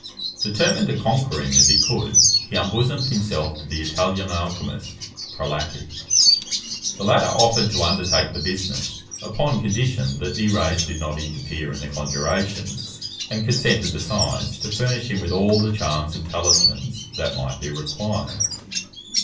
Determined to conquer him if he could, he unbosomed himself to the Italian alchymist, Prelati. The latter offered to undertake the business, upon condition that De Rays did not interfere in the conjurations, and consented besides to furnish him with all the charms and talismans that might be required.